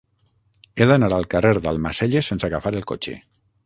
He d'anar al carrer d'Almacelles sense agafar el cotxe.